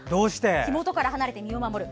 火元から離れて身を守る。